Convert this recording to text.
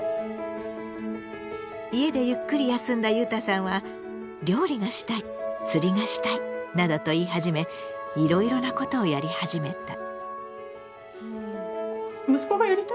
家でゆっくり休んだゆうたさんは「料理がしたい釣りがしたい」などと言い始めいろいろなことをやり始めた。